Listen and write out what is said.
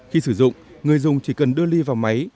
khi sử dụng người dùng chỉ cần đưa ly vào máy